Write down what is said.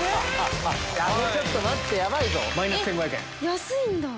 安いんだ。